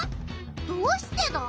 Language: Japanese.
どうしてだ？